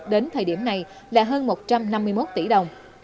đến thời điểm này là hơn một trăm năm mươi một tỷ đồng